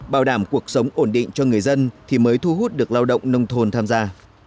bảo đảm cuộc sống ổn định cho người dân thì mới thu hút được lao động nông thôn tham gia